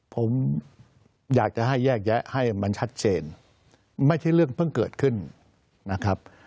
ผมอยากจะให้แยกแยะให้มันชัดเจนไม่ใช่เรื่องเพิ่งเกิดขึ้นนะครับ